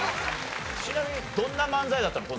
ちなみにどんな漫才だったの？